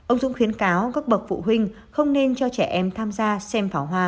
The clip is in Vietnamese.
ông dũng khuyến cáo các bậc phụ huynh không nên cho trẻ em tham gia xem pháo hoa